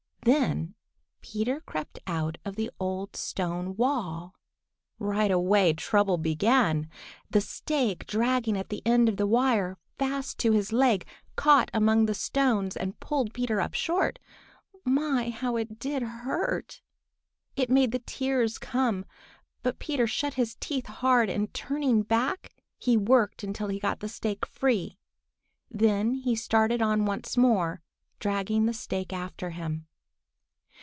Then Peter crept out of the old stone wall. Right away trouble began. The stake dragging at the end of the wire fast to his leg caught among the stones and pulled Peter up short. My, how it did hurt! It made the tears come. But Peter shut his teeth hard, and turning back, he worked until he got the stake free. Then he started on once more, dragging the stake after him.